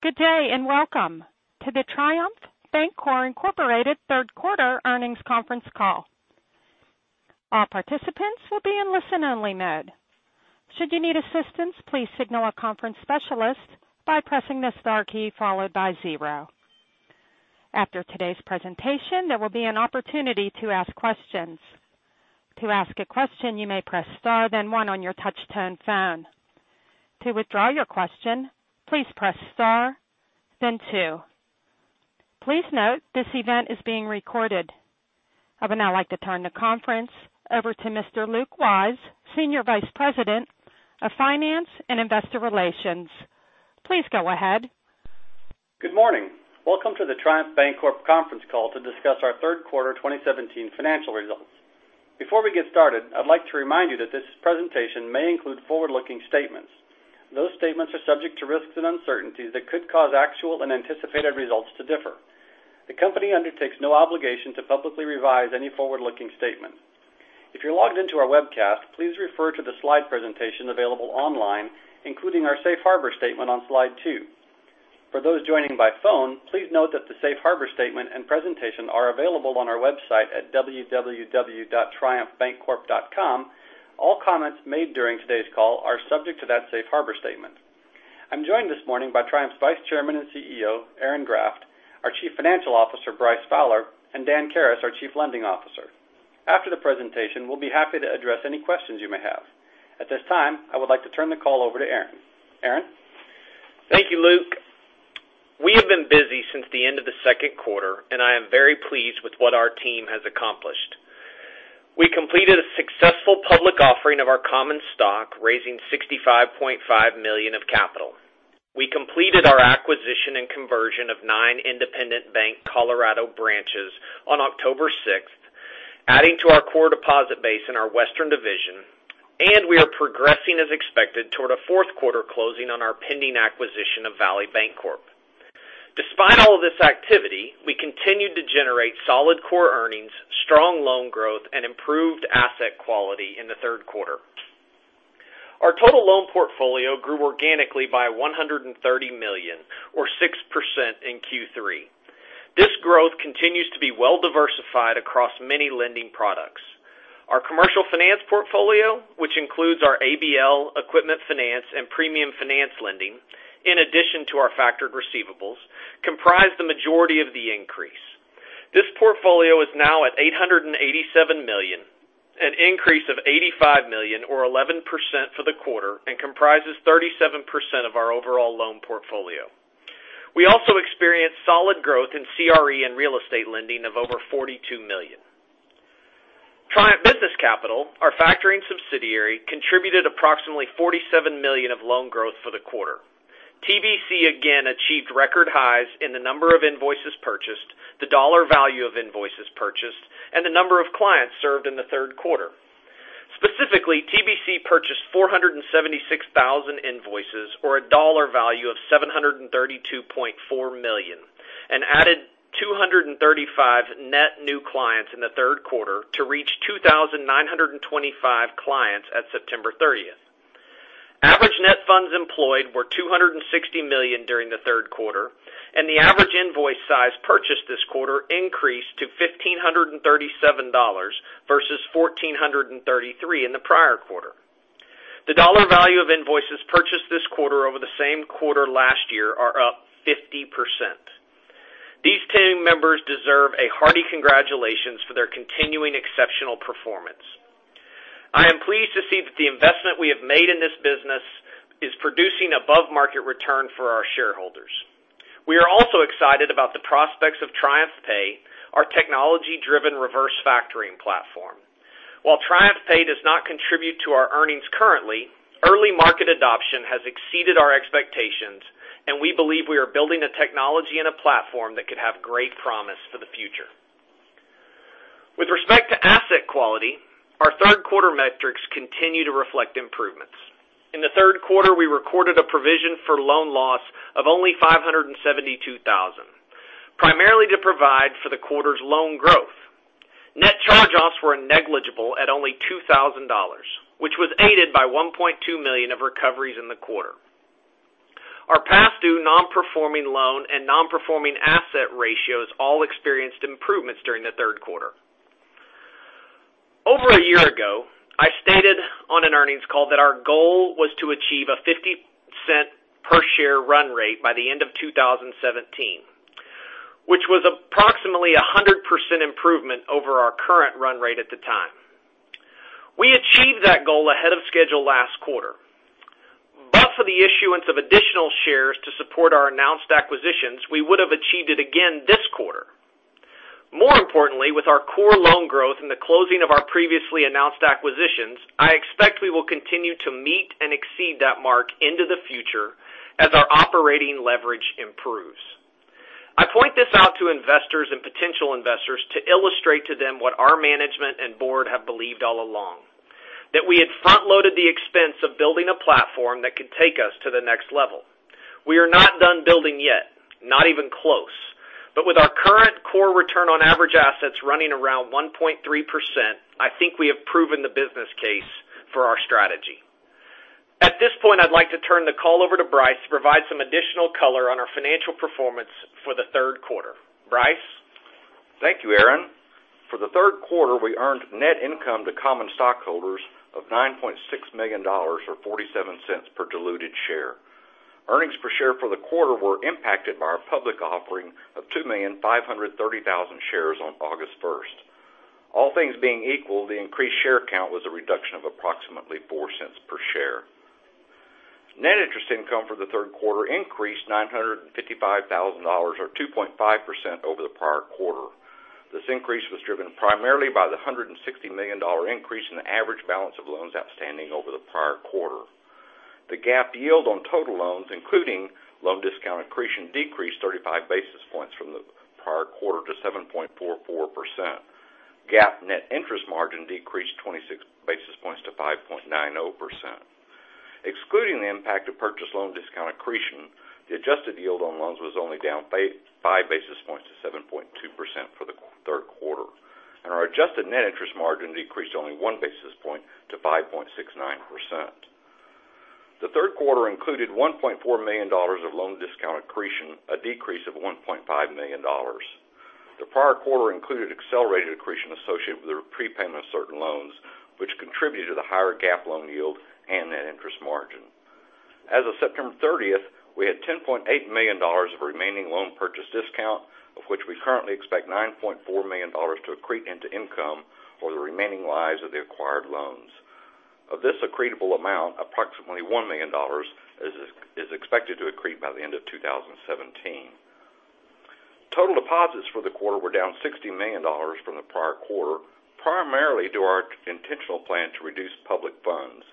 Good day, and welcome to the Triumph Bancorp Incorporated third quarter earnings conference call. All participants will be in listen-only mode. Should you need assistance, please signal a conference specialist by pressing the star key followed by 0. After today's presentation, there will be an opportunity to ask questions. To ask a question, you may press star, then 1 on your touch-tone phone. To withdraw your question, please press star, then 2. Please note this event is being recorded. I would now like to turn the conference over to Mr. Luke Wyse, Senior Vice President of Finance and Investor Relations. Please go ahead. Good morning. Welcome to the Triumph Bancorp conference call to discuss our third quarter 2017 financial results. Before we get started, I'd like to remind you that this presentation may include forward-looking statements. Those statements are subject to risks and uncertainties that could cause actual and anticipated results to differ. The company undertakes no obligation to publicly revise any forward-looking statement. If you're logged in to our webcast, please refer to the slide presentation available online, including our safe harbor statement on slide two. For those joining by phone, please note that the safe harbor statement and presentation are available on our website at www.triumphbancorp.com. All comments made during today's call are subject to that safe harbor statement. I'm joined this morning by Triumph's Vice Chairman and CEO, Aaron Graft; our Chief Financial Officer, Bryce Fowler; and Dan Karas, our Chief Lending Officer. After the presentation, we'll be happy to address any questions you may have. At this time, I would like to turn the call over to Aaron. Aaron? Thank you, Luke. I am very pleased with what our team has accomplished. We completed a successful public offering of our common stock, raising $65.5 million of capital. We completed our acquisition and conversion of nine Independent Bank Colorado branches on October 6th, adding to our core deposit base in our Western division. We are progressing as expected toward a fourth quarter closing on our pending acquisition of Valley Bancorp. Despite all of this activity, we continued to generate solid core earnings, strong loan growth, and improved asset quality in the third quarter. Our total loan portfolio grew organically by $130 million, or 6% in Q3. This growth continues to be well diversified across many lending products. Our commercial finance portfolio, which includes our ABL equipment finance and premium finance lending, in addition to our factored receivables, comprise the majority of the increase. This portfolio is now at $887 million, an increase of $85 million, or 11% for the quarter, and comprises 37% of our overall loan portfolio. We also experienced solid growth in CRE and real estate lending of over $42 million. Triumph Business Capital, our factoring subsidiary, contributed approximately $47 million of loan growth for the quarter. TBC again achieved record highs in the number of invoices purchased, the dollar value of invoices purchased, and the number of clients served in the third quarter. Specifically, TBC purchased 476,000 invoices, or a dollar value of $732.4 million, and added 235 net new clients in the third quarter to reach 2,925 clients at September 30th. Average net funds employed were $260 million during the third quarter, and the average invoice size purchased this quarter increased to $1,537 versus $1,433 in the prior quarter. The dollar value of invoices purchased this quarter over the same quarter last year are up 50%. These team members deserve a hearty congratulations for their continuing exceptional performance. I am pleased to see that the investment we have made in this business is producing above-market return for our shareholders. We are also excited about the prospects of TriumphPay, our technology-driven reverse factoring platform. While TriumphPay does not contribute to our earnings currently, early market adoption has exceeded our expectations, and we believe we are building a technology and a platform that could have great promise for the future. With respect to asset quality, our third quarter metrics continue to reflect improvements. In the third quarter, we recorded a provision for loan loss of only $572,000, primarily to provide for the quarter's loan growth. Net charge-offs were negligible at only $2,000, which was aided by $1.2 million of recoveries in the quarter. Our past due non-performing loan and non-performing asset ratios all experienced improvements during the third quarter. Over a year ago, I stated on an earnings call that our goal was to achieve a $0.50 per share run rate by the end of 2017, which was approximately 100% improvement over our current run rate at the time. We achieved that goal ahead of schedule last quarter. For the issuance of additional shares to support our announced acquisitions, we would have achieved it again this quarter. More importantly, with our core loan growth and the closing of our previously announced acquisitions, I expect we will continue to meet and exceed that mark into the future as our operating leverage improves. I point this out to investors and potential investors to illustrate to them what our management and board have believed all along, that we had front-loaded the expense of building a platform that could take us to the next level. We are not done building yet. Not even close. With our current core return on average assets running around 1.3%, I think we have proven the business case for our strategy. At this point, I'd like to turn the call over to Bryce to provide some additional color on our financial performance for the third quarter. Bryce? Thank you, Aaron. For the third quarter, we earned net income to common stockholders of $9.6 million, or $0.47 per diluted share. Earnings per share for the quarter were impacted by our public offering of 2,530,000 shares on August 1st. All things being equal, the increased share count was a reduction of approximately $0.04 per share. Net interest income for the third quarter increased $955,000, or 2.5% over the prior quarter. This increase was driven primarily by the $160 million increase in the average balance of loans outstanding over the prior quarter. The GAAP yield on total loans, including loan discount accretion, decreased 35 basis points from the prior quarter to 7.44%. GAAP net interest margin decreased 26 basis points to 5.90%. Excluding the impact of purchase loan discount accretion, the adjusted yield on loans was only down five basis points to 7.2% for the third quarter, and our adjusted net interest margin decreased only one basis point to 5.69%. The third quarter included $1.4 million of loan discount accretion, a decrease of $1.5 million. The prior quarter included accelerated accretion associated with the prepayment of certain loans, which contributed to the higher GAAP loan yield and net interest margin. As of September 30th, we had $10.8 million of remaining loan purchase discount, of which we currently expect $9.4 million to accrete into income over the remaining lives of the acquired loans. Of this accretable amount, approximately $1 million is expected to accrete by the end of 2017. Total deposits for the quarter were down $60 million from the prior quarter, primarily due to our intentional plan to reduce public funds.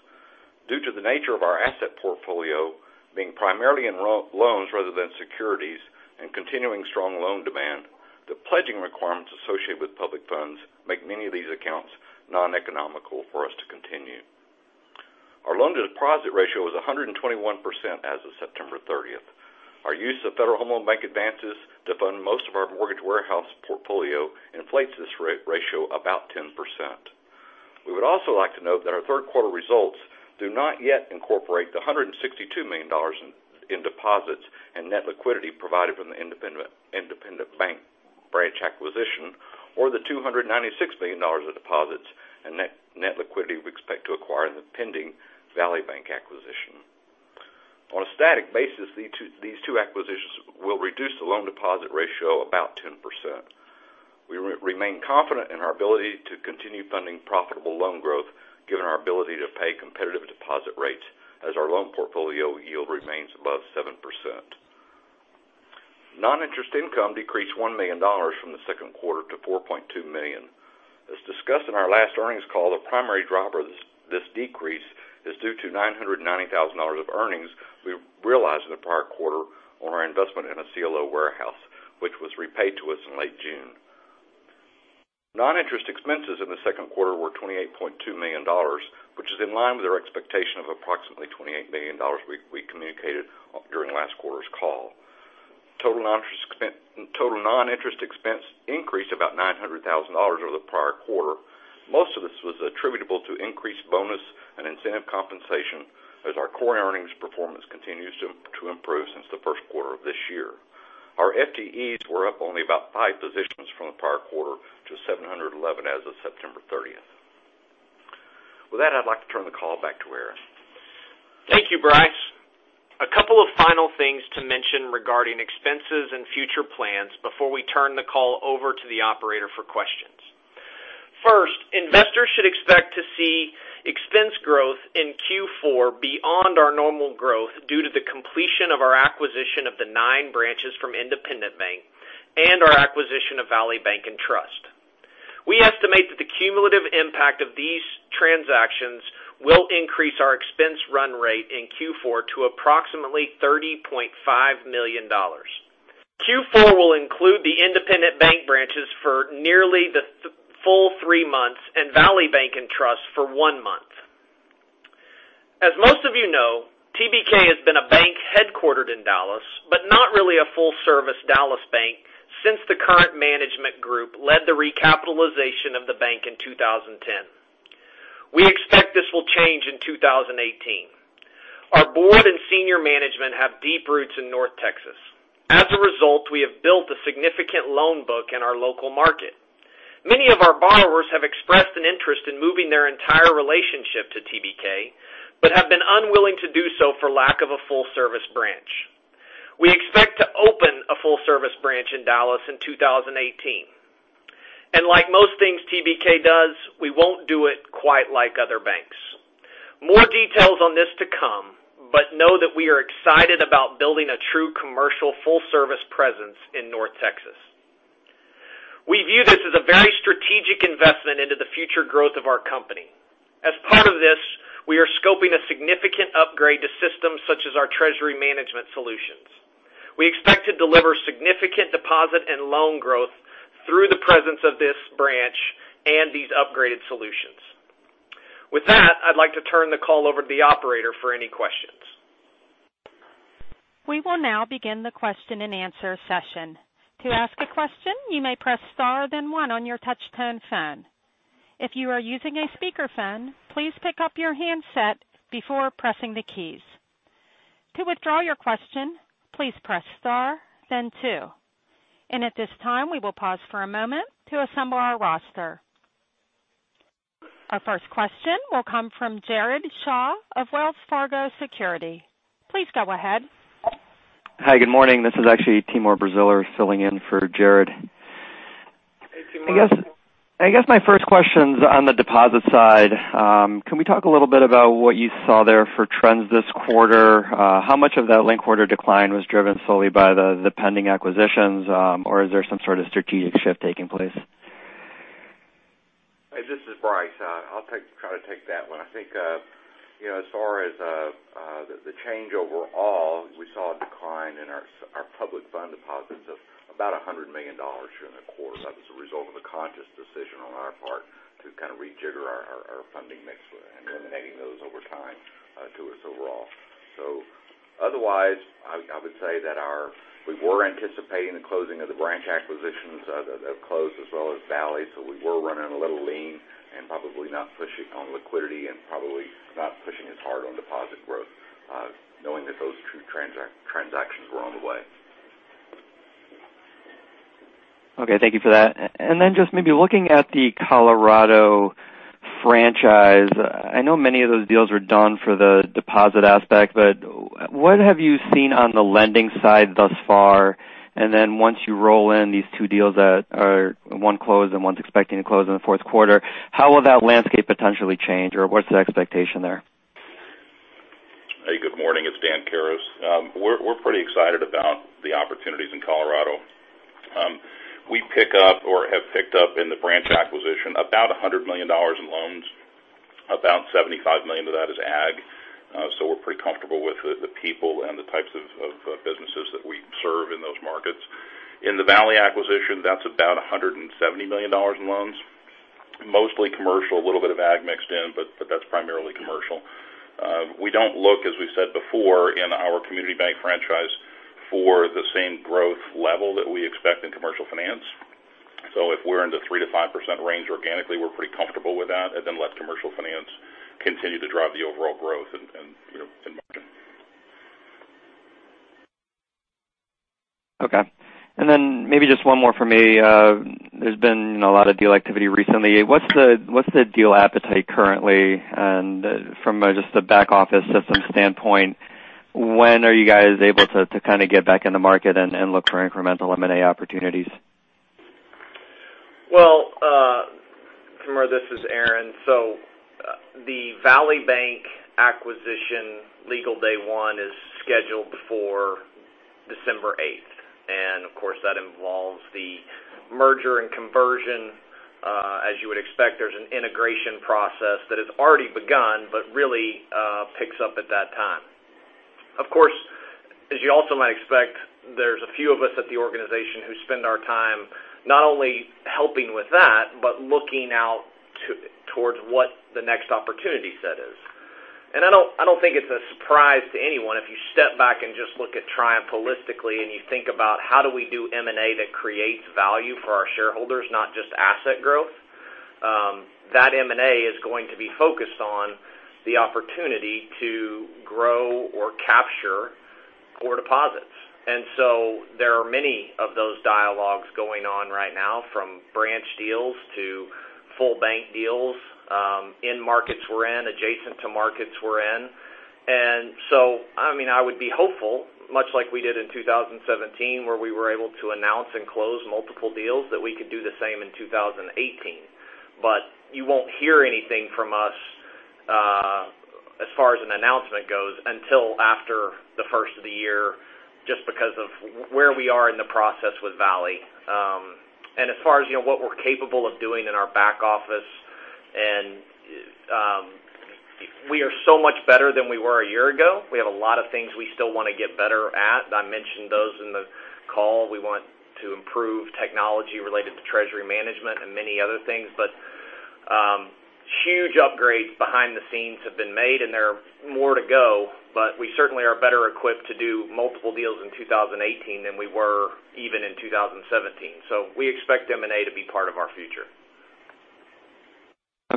Due to the nature of our asset portfolio being primarily in loans rather than securities and continuing strong loan demand, the pledging requirements associated with public funds make many of these accounts non-economical for us to continue. Our loan-to-deposit ratio is 121% as of September 30th. Our use of Federal Home Loan Bank advances to fund most of our mortgage warehouse portfolio inflates this ratio about 10%. We would also like to note that our third quarter results do not yet incorporate the $162 million in deposits and net liquidity provided from the Independent Bank branch acquisition, or the $296 million of deposits and net liquidity we expect to acquire in the pending Valley Bank acquisition. On a static basis, these two acquisitions will reduce the loan deposit ratio about 10%. We remain confident in our ability to continue funding profitable loan growth given our ability to pay competitive deposit rates as our loan portfolio yield remains above 7%. Non-interest income decreased $1 million from the second quarter to $4.2 million. As discussed in our last earnings call, the primary driver of this decrease is due to $990,000 of earnings we realized in the prior quarter on our investment in a CLO warehouse, which was repaid to us in late June. Non-interest expenses in the second quarter were $28.2 million, which is in line with our expectation of approximately $28 million we communicated during last quarter's call. Total non-interest expense increased about $900,000 over the prior quarter. Most of this was attributable to increased bonus and incentive compensation as our core earnings performance continues to improve since the first quarter of this year. Our FTEs were up only about five positions from the prior quarter to 711 as of September 30th. With that, I'd like to turn the call back to Aaron. Thank you, Bryce. A couple of final things to mention regarding expenses and future plans before we turn the call over to the operator for questions. First, investors should expect to see expense growth in Q4 beyond our normal growth due to the completion of our acquisition of the nine branches from Independent Bank and our acquisition of Valley Bank & Trust. We estimate that the cumulative impact of these transactions will increase our expense run rate in Q4 to approximately $30.5 million. Q4 will include the Independent Bank branches for nearly the full three months, and Valley Bank & Trust for one month. As most of you know, TBK has been a bank headquartered in Dallas, but not really a full-service Dallas bank since the current management group led the recapitalization of the bank in 2010. We expect this will change in 2018. Our board and senior management have deep roots in North Texas. As a result, we have built a significant loan book in our local market. Many of our borrowers have expressed an interest in moving their entire relationship to TBK, but have been unwilling to do so for lack of a full-service branch. We expect to open a full-service branch in Dallas in 2018. Like most things TBK does, we won't do it quite like other banks. More details on this to come, know that we are excited about building a true commercial full-service presence in North Texas. We view this as a very strategic investment into the future growth of our company. As part of this, we are scoping a significant upgrade to systems such as our treasury management solutions. We expect to deliver significant deposit and loan growth through the presence of this branch and these upgraded solutions. With that, I'd like to turn the call over to the operator for any questions. We will now begin the question and answer session. To ask a question, you may press star then one on your touch-tone phone. If you are using a speakerphone, please pick up your handset before pressing the keys. To withdraw your question, please press star then two. At this time, we will pause for a moment to assemble our roster. Our first question will come from Jared Shaw of Wells Fargo Securities. Please go ahead. Hi. Good morning. This is actually Timur Braziler filling in for Jared. Hey, Timur. I guess my first question's on the deposit side. Can we talk a little bit about what you saw there for trends this quarter? How much of that linked quarter decline was driven solely by the pending acquisitions, or is there some sort of strategic shift taking place? Hey, this is Bryce. I'll try to take that one. I think as far as the change overall, we saw a decline in our public fund deposits of about $100 million during the quarter. That was a result of a conscious decision on our part to kind of rejigger our funding mix and eliminating those over time to us overall. Otherwise, I would say that we were anticipating the closing of the branch acquisitions that have closed, as well as Valley, so we were running a little lean and probably not pushing on liquidity and probably not pushing as hard on deposit growth, knowing that those two transactions were on the way. Okay. Thank you for that. Just maybe looking at the Colorado franchise, I know many of those deals were done for the deposit aspect, but what have you seen on the lending side thus far? Once you roll in these two deals that are one closed and one's expecting to close in the fourth quarter, how will that landscape potentially change or what's the expectation there? Hey, good morning. It's Dan Karas. We're pretty excited about the opportunities in Colorado. We pick up or have picked up in the branch acquisition about $100 million in loans. About $75 million of that is ag, so we're pretty comfortable with the people and the types of businesses that we serve in those markets. In the Valley acquisition, that's about $170 million in loans, mostly commercial, a little bit of ag mixed in, but that's primarily commercial. We don't look, as we've said before, in our community bank franchise for the same growth level that we expect in commercial finance. If we're in the 3%-5% range organically, we're pretty comfortable with that, let commercial finance continue to drive the overall growth and margin. Maybe just one more from me. There's been a lot of deal activity recently. What's the deal appetite currently? From just the back office system standpoint, when are you guys able to kind of get back in the market and look for incremental M&A opportunities? Timur, this is Aaron. The Valley Bank acquisition legal day one is scheduled for December 8th, and of course, that involves the merger and conversion. As you would expect, there's an integration process that has already begun, but really picks up at that time. Of course, as you also might expect, there's a few of us at the organization who spend our time not only helping with that, but looking out towards what the next opportunity set is. I don't think it's a surprise to anyone if you step back and just look at Triumph holistically and you think about how do we do M&A that creates value for our shareholders, not just asset growth. That M&A is going to be focused on the opportunity to grow or capture core deposits. There are many of those dialogues going on right now from branch deals to full bank deals, in markets we're in, adjacent to markets we're in. I would be hopeful, much like we did in 2017, where we were able to announce and close multiple deals, that we could do the same in 2018. You won't hear anything from us as far as an announcement goes until after the first of the year, just because of where we are in the process with Valley. As far as what we're capable of doing in our back office, we are so much better than we were a year ago. We have a lot of things we still want to get better at. I mentioned those in the call. We want to improve technology related to treasury management and many other things. Huge upgrades behind the scenes have been made, and there are more to go, but we certainly are better equipped to do multiple deals in 2018 than we were even in 2017. We expect M&A to be part of our future.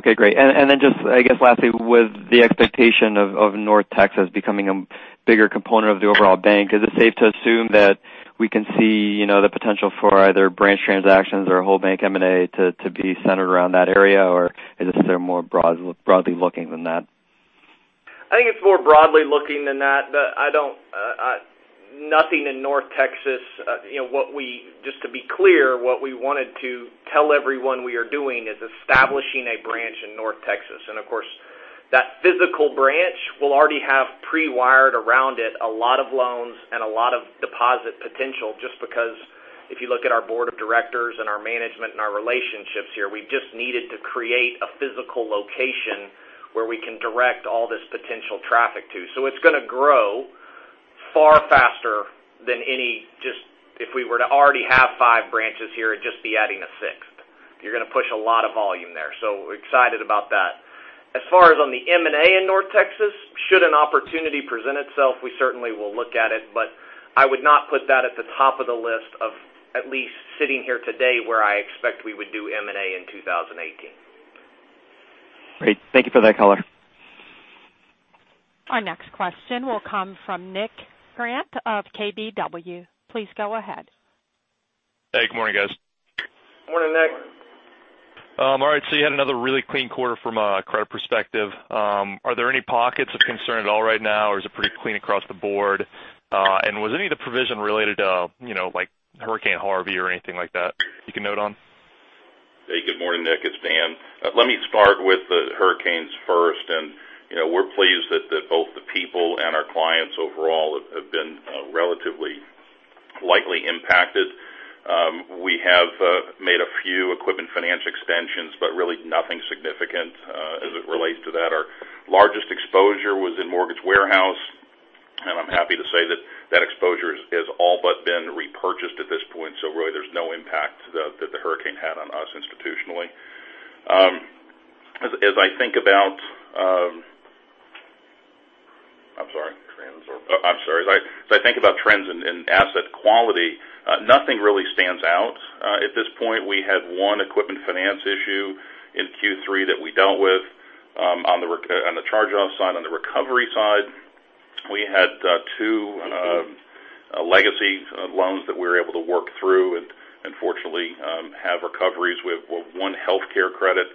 Okay, great. Just, I guess lastly, with the expectation of North Texas becoming a bigger component of the overall bank, is it safe to assume that we can see the potential for either branch transactions or whole bank M&A to be centered around that area, or is this more broadly looking than that? I think it's more broadly looking than that. Nothing in North Texas. Just to be clear, what we wanted to tell everyone we are doing is establishing a branch in North Texas. Of course, that physical branch will already have pre-wired around it a lot of loans and a lot of deposit potential just because if you look at our board of directors and our management and our relationships here, we just needed to create a physical location where we can direct all this potential traffic to. It's going to grow far faster than if we were to already have five branches here and just be adding a sixth. You're going to push a lot of volume there. Excited about that. As far as on the M&A in North Texas, should an opportunity present itself, we certainly will look at it. I would not put that at the top of the list of at least sitting here today where I expect we would do M&A in 2018. Great. Thank you for that color. Our next question will come from Nick Grant of KBW. Please go ahead. Hey, good morning, guys. Morning, Nick. All right. You had another really clean quarter from a credit perspective. Are there any pockets of concern at all right now, or is it pretty clean across the board? And was any of the provision related to Hurricane Harvey or anything like that you can note on? Hey, good morning, Nick. It's Dan. Let me start with the hurricanes first. We're pleased that both the people and our clients overall have been relatively lightly impacted. We have made a few equipment finance extensions, but really nothing significant as it relates to that. Our largest exposure was in mortgage warehouse, and I am happy to say that that exposure has all but been repurchased at this point. Really there's no impact that the hurricane had on us institutionally. As I think about trends in asset quality, nothing really stands out. At this point, we had one equipment finance issue in Q3 that we dealt with on the charge-off side. On the recovery side, we had two legacy loans that we were able to work through and fortunately have recoveries with one healthcare credit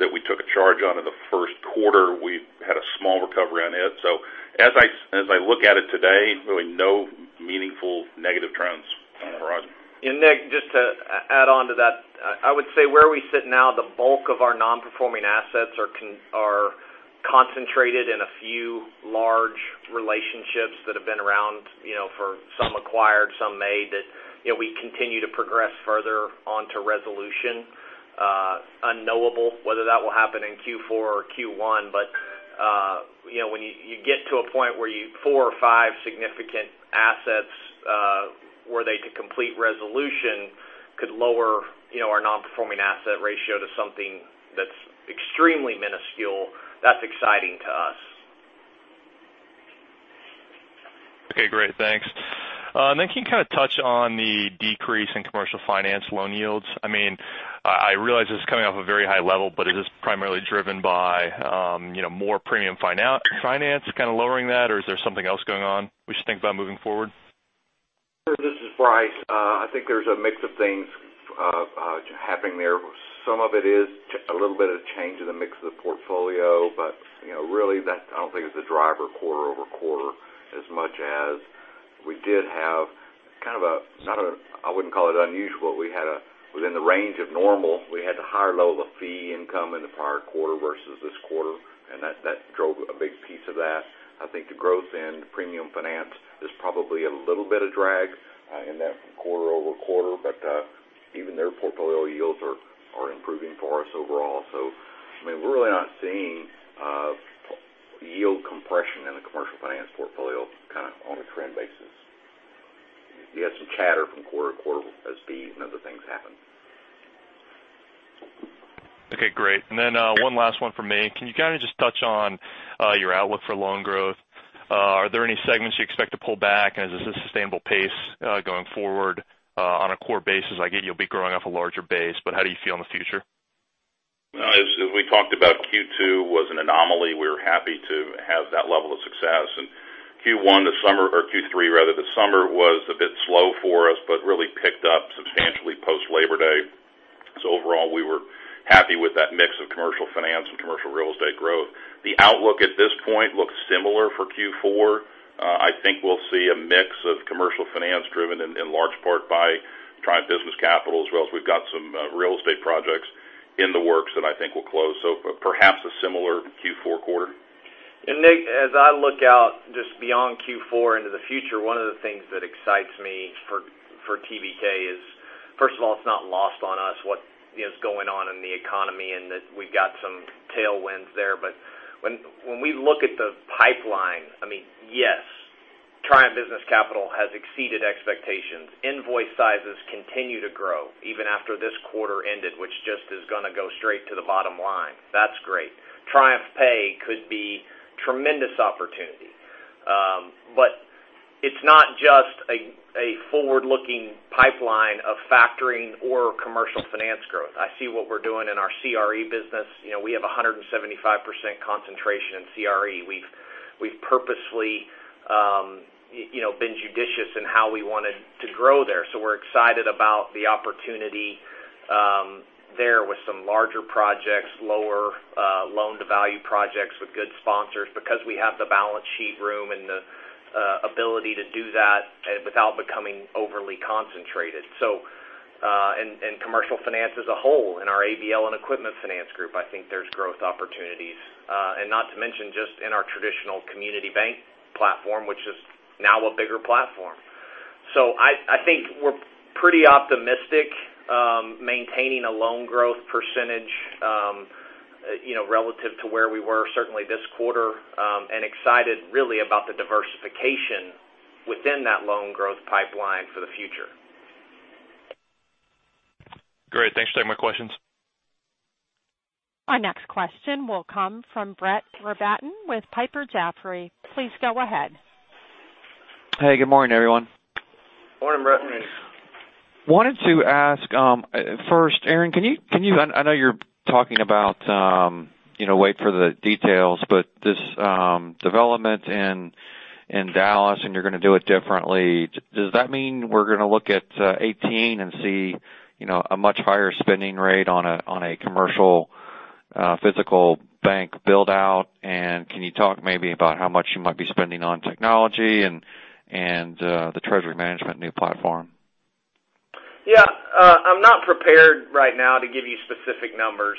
that we took a charge on in the first quarter. We've had a small recovery on it. As I look at it today, really no meaningful negative trends on the horizon. Nick, just to add on to that, I would say where we sit now, the bulk of our non-performing assets are concentrated in a few large relationships that have been around for some acquired, some made, that we continue to progress further onto resolution. Unknowable whether that will happen in Q4 or Q1. When you get to a point where four or five significant assets were they to complete resolution could lower our non-performing asset ratio to something that's extremely minuscule. That's exciting to us. Okay, great. Thanks. Can you kind of touch on the decrease in commercial finance loan yields? I realize this is coming off a very high level, but is this primarily driven by more premium finance kind of lowering that, or is there something else going on we should think about moving forward? Sure, this is Bryce. I think there's a mix of things happening there. Some of it is a little bit of change in the mix of the portfolio, but really that I don't think is the driver quarter-over-quarter as much as we did have kind of a, I wouldn't call it unusual. Within the range of normal, we had a higher level of fee income in the prior quarter versus this quarter, and that drove a big piece of that. I think the growth in premium finance is probably a little bit of drag in that from quarter-over-quarter, but even their portfolio yields are improving for us overall. We're really not seeing yield compression in the commercial finance portfolio on a trend basis. You have some chatter from quarter-to-quarter as fees and other things happen. Okay, great. Then one last one from me. Can you kind of just touch on your outlook for loan growth? Are there any segments you expect to pull back? Is this a sustainable pace going forward on a core basis? I get you'll be growing off a larger base, but how do you feel in the future? As we talked about, Q2 was an anomaly. We're happy to have that level of success. Q1, the summer, or Q3 rather, the summer was a bit slow for us, but really picked up substantially post Labor Day. Overall, we were happy with that mix of commercial finance and commercial real estate growth. The outlook at this point looks similar for Q4. I think we'll see a mix of commercial finance driven in large part by Triumph Business Capital as well as we've got some real estate projects in the works that I think will close. Perhaps a similar Q4 quarter. Nick, as I look out just beyond Q4 into the future, one of the things that excites me for TBK is, first of all, it's not lost on us what is going on in the economy and that we've got some tailwinds there. When we look at the pipeline, yes, Triumph Business Capital has exceeded expectations. Invoice sizes continue to grow even after this quarter ended, which just is going to go straight to the bottom line. That's great. TriumphPay could be tremendous opportunity. It's not just a forward-looking pipeline of factoring or commercial finance growth. I see what we're doing in our CRE business. We have 175% concentration in CRE. We've purposefully been judicious in how we wanted to grow there. We're excited about the opportunity there with some larger projects, lower loan-to-value projects with good sponsors because we have the balance sheet room and the ability to do that without becoming overly concentrated. Commercial finance as a whole in our ABL and equipment finance group, I think there's growth opportunities. Not to mention just in our traditional community bank platform, which is now a bigger platform. I think we're pretty optimistic maintaining a loan growth % relative to where we were certainly this quarter and excited really about the diversification within that loan growth pipeline for the future. Great. Thanks for taking my questions. Our next question will come from Brett Rabatin with Piper Jaffray. Please go ahead. Hey, good morning, everyone. Morning, Brett. Wanted to ask first, Aaron, I know you're talking about wait for the details, but this development in Dallas and you're going to do it differently, does that mean we're going to look at 2018 and see a much higher spending rate on a commercial physical bank build-out? Can you talk maybe about how much you might be spending on technology and the treasury management new platform? Yeah. I'm not prepared right now to give you specific numbers.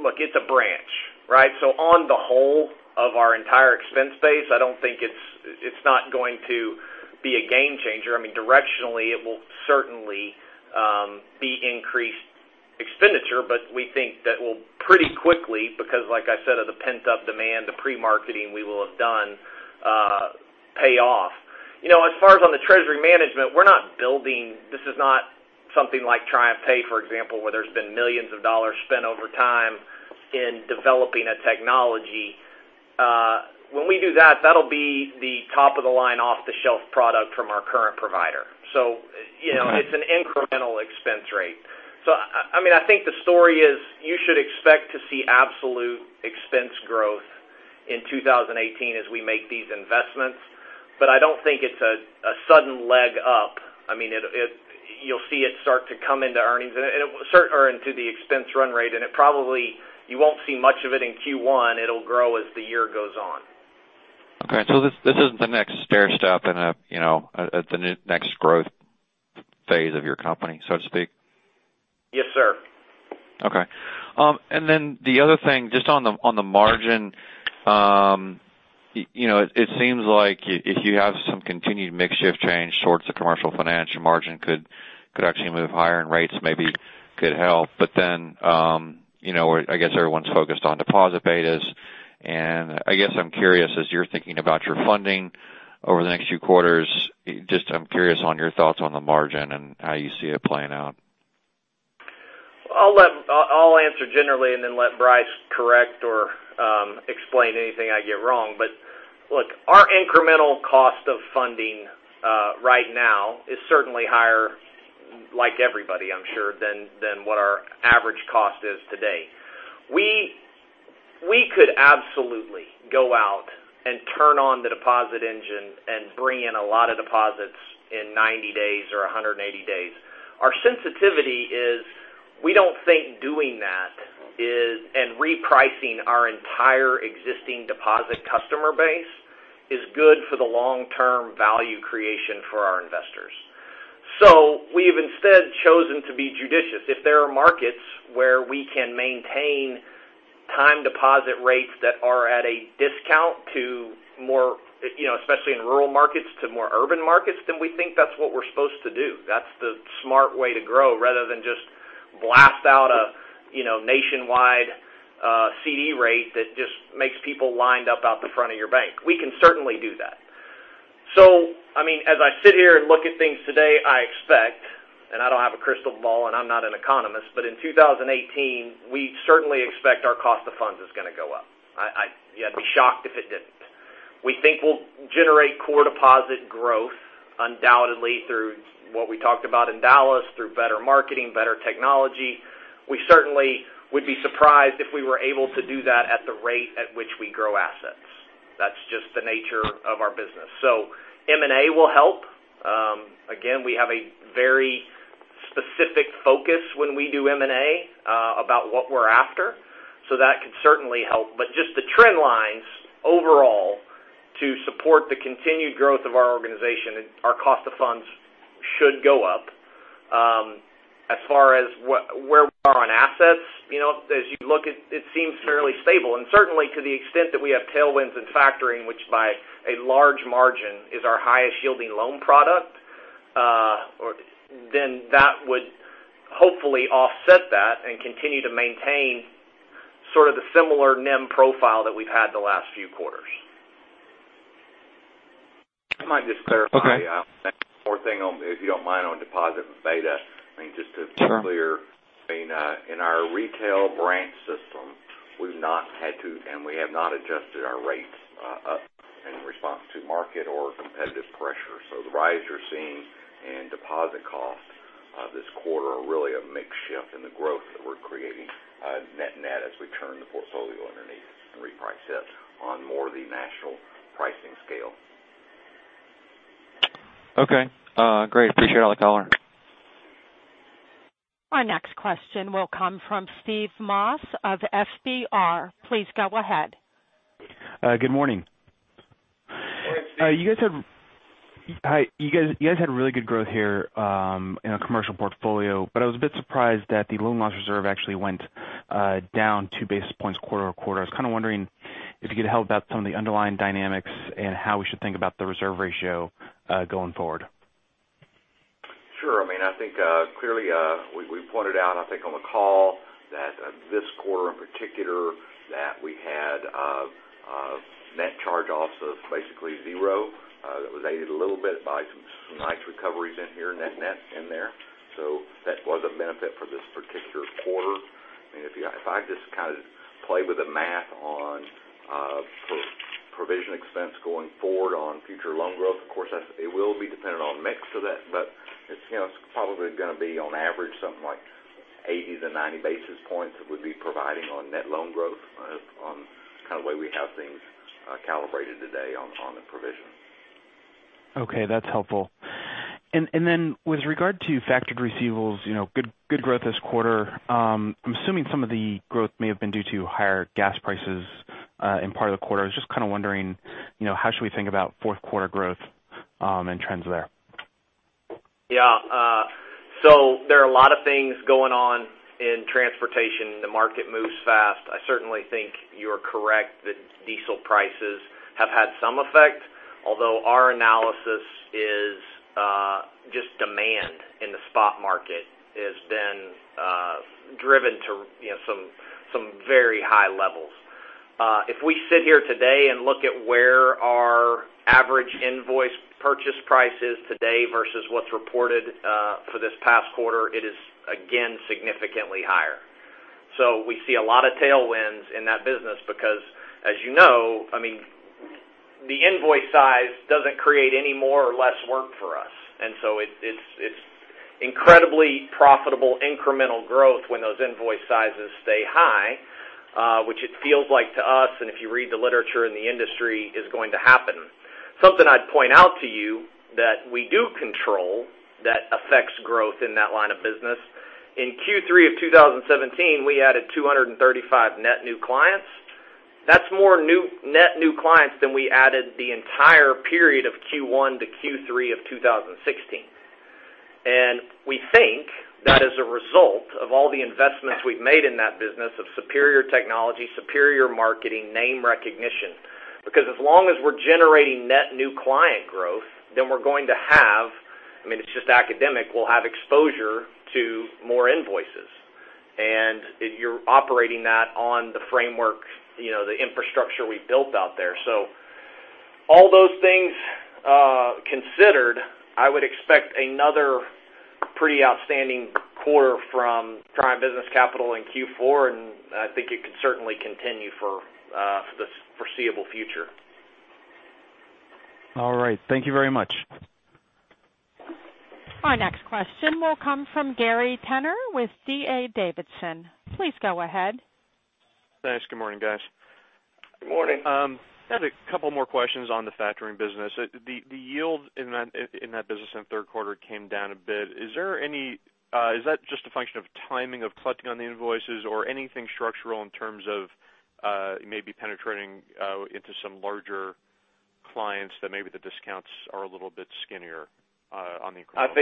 Look, it's a branch, right? On the whole of our entire expense base, it's not going to be a game changer. Directionally, it will certainly be increased expenditure, but we think that will pretty quickly, because like I said, of the pent-up demand, the pre-marketing we will have done pay off. As far as on the treasury management, this is not something like TriumphPay, for example, where there's been millions of dollars spent over time in developing a technology. When we do that'll be the top-of-the-line off-the-shelf product from our current provider. Okay It's an incremental expense rate. I think the story is you should expect to see absolute expense growth in 2018 as we make these investments, but I don't think it's a sudden leg up. You'll see it start to come into earnings or into the expense run rate, and probably you won't see much of it in Q1. It'll grow as the year goes on. Okay, this isn't the next stair step in the next growth phase of your company, so to speak? Yes, sir. Okay. The other thing, just on the margin, it seems like if you have some continued mix shift change towards the commercial financial margin could actually move higher and rates maybe could help. I guess everyone's focused on deposit betas, and I guess I'm curious as you're thinking about your funding over the next few quarters, just I'm curious on your thoughts on the margin and how you see it playing out. I'll answer generally and then let Bryce correct or explain anything I get wrong. Look, our incremental cost of funding right now is certainly higher, like everybody, I'm sure, than what our average cost is today. We could absolutely go out and turn on the deposit engine and bring in a lot of deposits in 90 days or 180 days. Our sensitivity is we don't think doing that and repricing our entire existing deposit customer base is good for the long-term value creation for our investors. We've instead chosen to be judicious. If there are markets where we can maintain time deposit rates that are at a discount, especially in rural markets to more urban markets, then we think that's what we're supposed to do. That's the smart way to grow rather than just blast out a nationwide CD rate that just makes people lined up out the front of your bank. We can certainly do that. As I sit here and look at things today, I expect, and I don't have a crystal ball and I'm not an economist, but in 2018, we certainly expect our cost of funds is going to go up. I'd be shocked if it didn't. We think we'll generate core deposit growth undoubtedly through what we talked about in Dallas, through better marketing, better technology. We certainly would be surprised if we were able to do that at the rate at which we grow assets. That's just the nature of our business. M&A will help. Again, we have a very specific focus when we do M&A about what we're after. That could certainly help. Just the trend lines overall to support the continued growth of our organization, our cost of funds should go up. As far as where we are on assets, as you look, it seems fairly stable, and certainly to the extent that we have tailwinds in factoring, which by a large margin is our highest yielding loan product, that would hopefully offset that and continue to maintain sort of the similar NIM profile that we've had the last few quarters. I might just clarify- Okay one more thing, if you don't mind, on deposit beta. Just to be clear- Sure in our retail branch system, we've not had to, and we have not adjusted our rates up in response to market or competitive pressure. The rise you're seeing in deposit cost this quarter are really a mix shift in the growth that we're creating net-net as we turn the portfolio underneath and reprice it on more the national pricing scale. Okay. Great. Appreciate all the color. Our next question will come from Steve Moss of FBR. Please go ahead. Good morning. Morning, Steve. You guys had really good growth here in a commercial portfolio, I was a bit surprised that the loan loss reserve actually went down two basis points quarter-over-quarter. I was kind of wondering if you could help about some of the underlying dynamics and how we should think about the reserve ratio going forward? Sure. I think, clearly, we pointed out, I think, on the call that this quarter in particular, that we had net charge-offs of basically zero. That was aided a little bit by some nice recoveries in here, net net in there. That was a benefit for this particular quarter. If I just play with the math on provision expense going forward on future loan growth, of course, it will be dependent on mix of that, but it's probably going to be, on average, something like 80 to 90 basis points that we'd be providing on net loan growth on the way we have things calibrated today on the provision. Okay, that's helpful. With regard to factored receivables, good growth this quarter. I'm assuming some of the growth may have been due to higher gas prices in part of the quarter. I was just kind of wondering, how should we think about fourth quarter growth and trends there? There are a lot of things going on in transportation. The market moves fast. I certainly think you're correct that diesel prices have had some effect, although our analysis is just demand in the spot market has been driven to some very high levels. If we sit here today and look at where our average invoice purchase price is today versus what's reported for this past quarter, it is, again, significantly higher. We see a lot of tailwinds in that business because, as you know, the invoice size doesn't create any more or less work for us. It's incredibly profitable incremental growth when those invoice sizes stay high, which it feels like to us, and if you read the literature in the industry, is going to happen. Something I'd point out to you that we do control that affects growth in that line of business, in Q3 of 2017, we added 235 net new clients. That's more net new clients than we added the entire period of Q1 to Q3 of 2016. We think that is a result of all the investments we've made in that business of superior technology, superior marketing, name recognition. As long as we're generating net new client growth, we're going to have, it's just academic, we'll have exposure to more invoices. You're operating that on the framework, the infrastructure we've built out there. All those things considered, I would expect another pretty outstanding quarter from Triumph Business Capital in Q4, and I think it could certainly continue for the foreseeable future. All right. Thank you very much. Our next question will come from Gary Tenner with D.A. Davidson. Please go ahead. Thanks. Good morning, guys. Good morning. I had a couple more questions on the factoring business. The yield in that business in the third quarter came down a bit. Is that just a function of timing of collecting on the invoices or anything structural in terms of maybe penetrating into some larger clients that maybe the discounts are a little bit skinnier on the incremental? I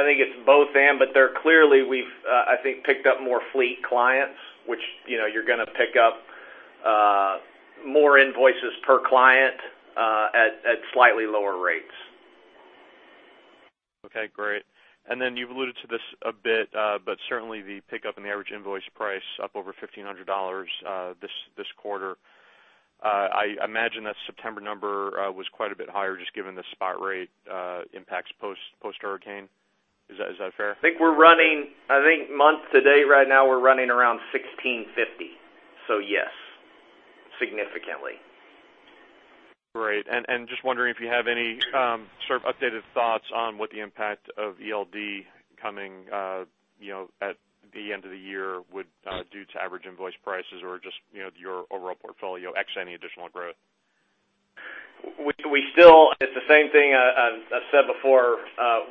think it's both/and, but they're clearly, we've, I think, picked up more fleet clients, which you're going to pick up more invoices per client at slightly lower rates. Okay, great. You've alluded to this a bit, but certainly the pickup in the average invoice price up over $1,500 this quarter. I imagine that September number was quite a bit higher just given the spot rate impacts post-hurricane. Is that fair? I think month to date right now, we're running around $1,650. Yes, significantly. Great, just wondering if you have any sort of updated thoughts on what the impact of ELD coming at the end of the year would do to average invoice prices or just your overall portfolio, X any additional growth. It's the same thing I've said before.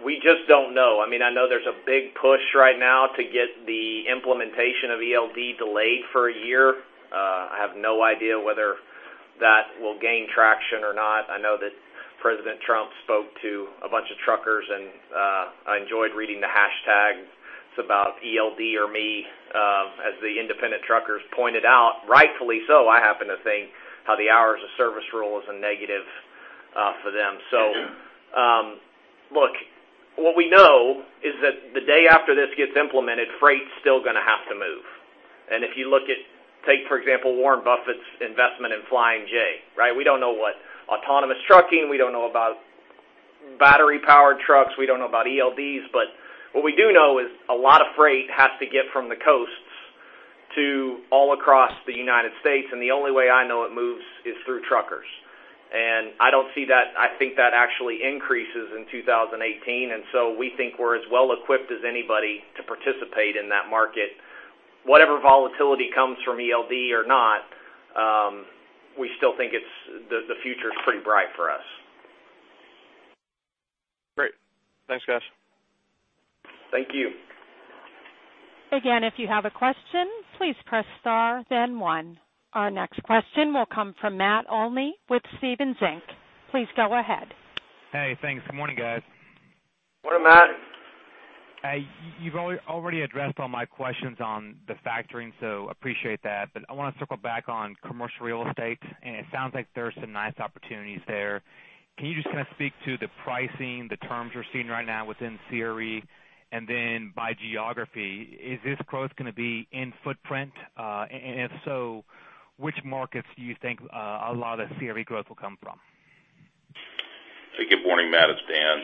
We just don't know. I know there's a big push right now to get the implementation of ELD delayed for a year. I have no idea whether that will gain traction or not. I know that President Trump spoke to a bunch of truckers, I enjoyed reading the hashtags about ELD or me, as the independent truckers pointed out, rightfully so, I happen to think, how the hours of service rule is a negative for them. Look, what we know is that the day after this gets implemented, freight's still going to have to move. If you look at, take, for example, Warren Buffett's investment in Flying J, right? We don't know what autonomous trucking, we don't know about battery-powered trucks, we don't know about ELDs. What we do know is a lot of freight has to get from the coasts to all across the U.S., and the only way I know it moves is through truckers. I think that actually increases in 2018. We think we're as well equipped as anybody to participate in that market. Whatever volatility comes from ELD or not, we still think the future's pretty bright for us. Great. Thanks, guys. Thank you. Again, if you have a question, please press star then one. Our next question will come from Matt Olney with Stephens Inc. Please go ahead. Hey, thanks. Good morning, guys. Morning, Matt. You've already addressed all my questions on the factoring, appreciate that. I want to circle back on commercial real estate, it sounds like there's some nice opportunities there. Can you just kind of speak to the pricing, the terms you're seeing right now within CRE? By geography, is this growth going to be in footprint? If so, which markets do you think a lot of CRE growth will come from? Good morning, Matt. It's Dan.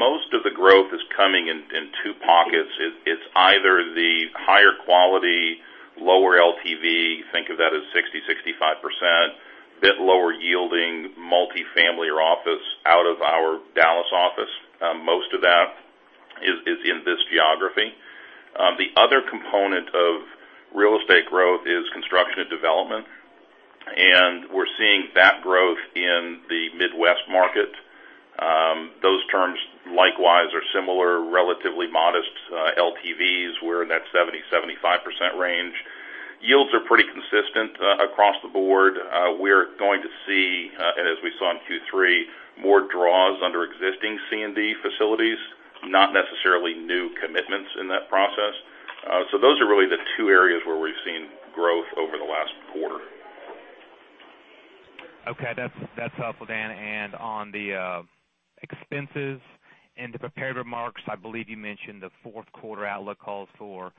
Most of the growth is coming in two pockets. It's either the higher quality, lower LTV. Think of that as 60%, 65%, bit lower yielding, multi-family or office out of our Dallas office. Most of that is in this geography. The other component of real estate growth is construction and development, we're seeing that growth in the Midwest market. Those terms likewise are similar, relatively modest LTVs. We're in that 70%, 75% range. Yields are pretty consistent across the board. We're going to see, as we saw in Q3, more draws under existing C&D facilities, not necessarily new commitments in that process. Those are really the two areas where we've seen growth over the last quarter. Okay. That's helpful, Dan. On the expenses, in the prepared remarks, I believe you mentioned the fourth quarter outlook calls for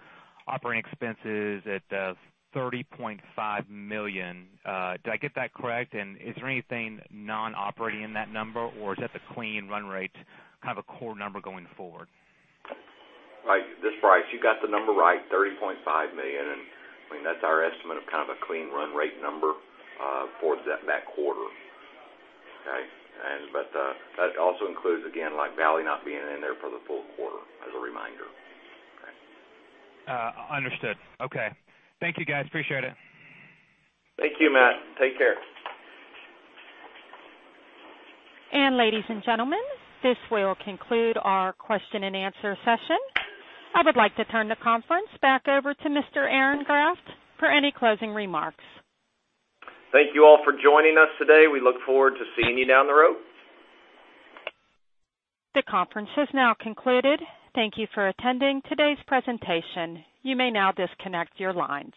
operating expenses at $30.5 million. Did I get that correct? Is there anything non-operating in that number, or is that the clean run rate, kind of a core number going forward? Right. This is Bryce. You got the number right, $30.5 million, that's our estimate of kind of a clean run rate number for that quarter. Okay? That also includes, again, Valley not being in there for the full quarter, as a reminder. Understood. Okay. Thank you, guys. Appreciate it. Thank you, Matt. Take care. Ladies and gentlemen, this will conclude our question and answer session. I would like to turn the conference back over to Mr. Aaron Graft for any closing remarks. Thank you all for joining us today. We look forward to seeing you down the road. The conference has now concluded. Thank you for attending today's presentation. You may now disconnect your lines.